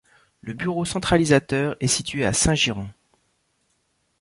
Le bureau centralisateur est situé à Saint-Girons.